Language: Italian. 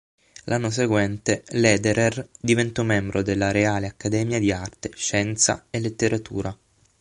L'anno seguente Lederer diventò membro della Reale Accademia di arte, scienza e letteratura.